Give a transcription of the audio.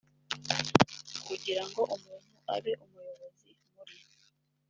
kugira ngo umuntu abe umuyobozi muri